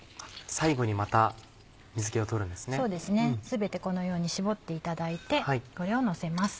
全てこのように絞っていただいてこれをのせます。